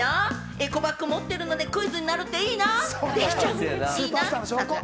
エコバッグ持ってるからってクイズになるのいいな。